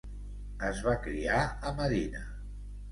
Es va criar a Medina.